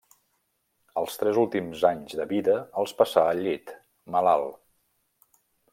Els tres últims anys de vida els passà al llit, malalt.